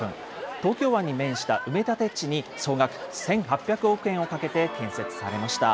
東京湾に面した埋め立て地に総額１８００億円をかけて建設されました。